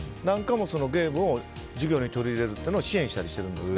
ゲームを授業に取り入れるのを支援したりしてるんですね。